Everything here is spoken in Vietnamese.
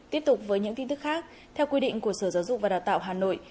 tiếp tục với những tin tức khác theo quy định của sở giáo dục và đào tạo hà nội